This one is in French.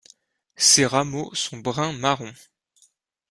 Ses rameaux sont brun-marron.